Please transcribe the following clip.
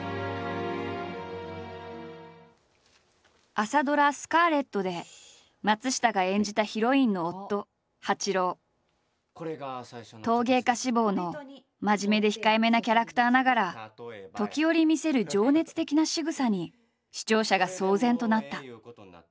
朝ドラ「スカーレット」で松下が演じた陶芸家志望の真面目で控えめなキャラクターながら時折見せる情熱的なしぐさに視聴者が騒然となった。